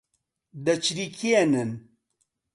دەچریکێنن